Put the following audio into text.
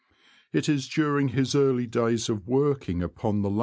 It is during his early days of working upon the r^ p^ ^